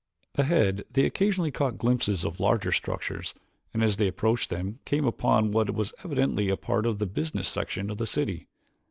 Ahead they occasionally caught glimpses of larger structures, and as they approached them, came upon what was evidently a part of the business section of the city.